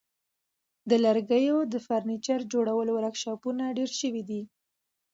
د لرګیو د فرنیچر جوړولو ورکشاپونه ډیر شوي دي.